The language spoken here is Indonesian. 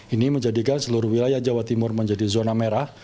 ini menjadikan seluruh wilayah jawa timur menjadi zona merah